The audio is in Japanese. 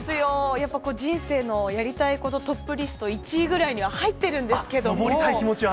やっぱ人生のやりたいことトップリスト１位ぐらいには入ってるん登りたい気持ちは？